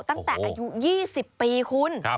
ตั้งแต่อายุ๒๐ปีคุณ